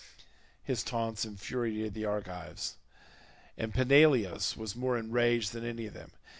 His taunts infuriated the Argives, and Peneleos was more enraged than any of them.